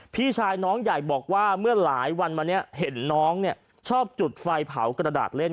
พี่ชายน้องใหญ่บอกว่าเมื่อหลายวันมาเนี่ยเห็นน้องชอบจุดไฟเผากระดาษเล่น